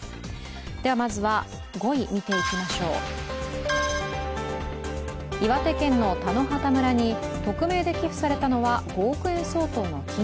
では、まずは５位、見ていきましょう岩手県の田野畑村に匿名で寄付されたのは５億円相当の金。